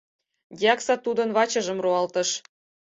Дьякса тудын вачыжым руалтыш.